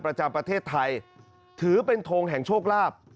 ประจำประเทศไทยถือเป็นทงแห่งโชคลาภ